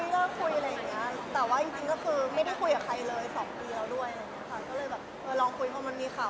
คือพอมองคุยแล้วมันสามารถมีข่าวมา